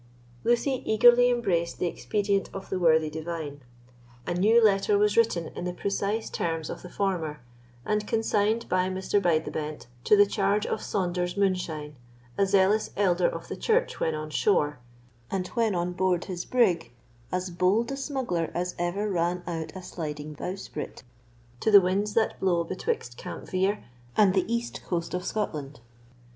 Lucy eagerly embraced the expedient of the worthy divine. A new letter was written in the precise terms of the former, and consigned by Mr. Bide the Bent to the charge of Saunders Moonshine, a zealous elder of the church when on shore, and when on board his brig as bold a smuggler as ever ran out a sliding bowsprit to the winds that blow betwixt Campvere and the east coast of Scotland.